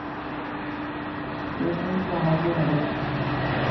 face بک سماجی مدد